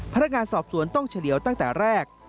พนักงานสอบสวนต้องเฉลี่ยวตั้งแต่แรก